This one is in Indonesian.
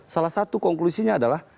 salah satu konklusinya adalah